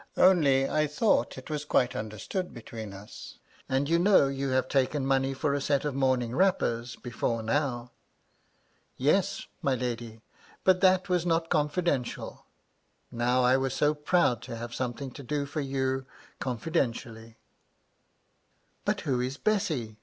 Only I thought it was quite understood between us. And, you know, you have taken money for a set of morning wrappers, before now." "Yes, my lady; but that was not confidential. Now I was so proud to have something to do for you confidentially." " But who is Bessy